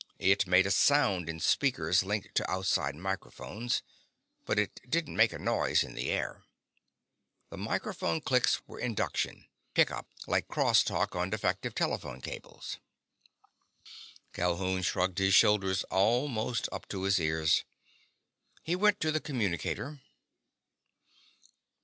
It made a sound in speakers linked to outside microphones, but it didn't make a noise in the air. The microphone clicks were induction; pick up; like cross talk on defective telephone cables. Calhoun shrugged his shoulders almost up to his ears. He went to the communicator.